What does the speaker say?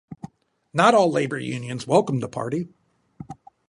Not all labour unions welcomed the party.